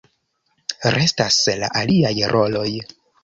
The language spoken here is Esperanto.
Restas la aliaj roloj.